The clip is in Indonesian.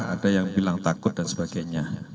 ada yang bilang takut dan sebagainya